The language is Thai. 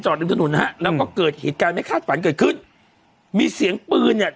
ริมถนนนะฮะแล้วก็เกิดเหตุการณ์ไม่คาดฝันเกิดขึ้นมีเสียงปืนเนี่ย